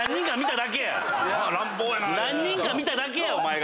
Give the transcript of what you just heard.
何人か見ただけやお前が。